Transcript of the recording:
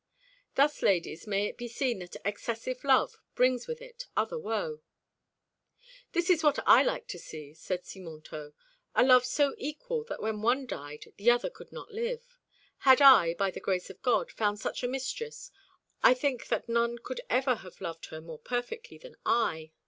"Thus, ladies, may it be seen that excessive love brings with it other woe." "This is what I like to see," said Simontault, "a love so equal that when one died the other could not live. Had I, by the grace of God, found such a mistress, I think that none could ever have ioved her more perfectly than I."